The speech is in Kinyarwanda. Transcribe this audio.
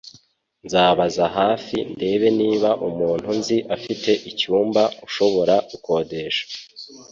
Nzabaza hafi ndebe niba umuntu nzi afite icyumba ushobora gukodesha